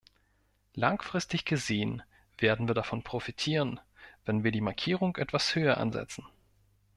Langfristig gesehen werden wir davon profitieren, wenn wir die Markierung etwas höher ansetzen.